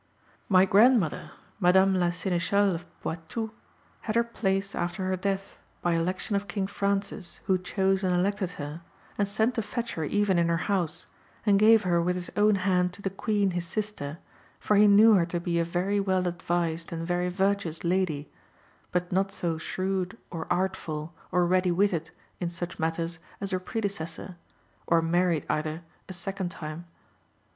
My grandmother, Madame la Sénéchale of Poitou, had her place after her death, by election of King Francis who chose and elected her, and sent to fetch her even in her house, and gave her with his own hand to the Queen his sister, for he knew her to be a very well advised and very virtuous lady, but not so shrewd, or artful, or ready witted in such matters as her predecessor, or married either a second time.